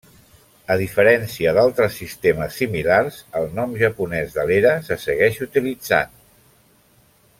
A diferència d'altres sistemes similars, el nom japonès de l'era se segueix utilitzant.